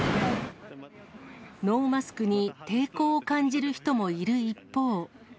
ノーマスクに抵抗を感じる人もいる一方。